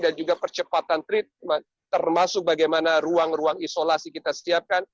dan juga percepatan treat termasuk bagaimana ruang ruang isolasi kita setiapkan